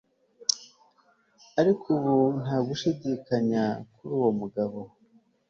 ariko ubu nta gushidikanya kuri uwo mugabo